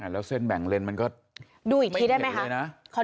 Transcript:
แล้วเส้นแบ่งเลนมันก็ไม่เห็นเลยนะ